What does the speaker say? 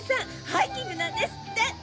ハイキングなんですって！